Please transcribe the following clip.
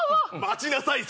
「待ちなさい」